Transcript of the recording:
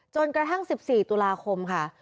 จนกระทั่ง๑๔ตุลาคมค่ะ